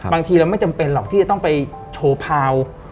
บางทีเราไม่จำเป็นหรอกที่จะต้องไปโชว์พาว